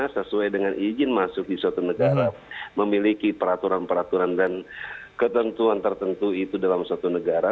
sesuai dengan izin masuk di suatu negara memiliki peraturan peraturan dan ketentuan tertentu itu dalam satu negara